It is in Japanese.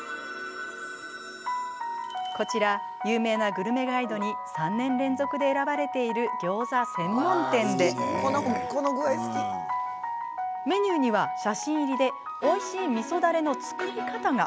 こちら、有名なグルメガイドに３年連続で選ばれているギョーザ専門店でメニューには、写真入りでおいしいみそだれの作り方が。